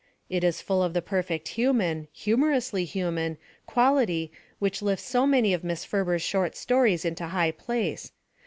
It is full of the perfect human humorously human quality which lifts so many of Miss Ferber's short stories into high place.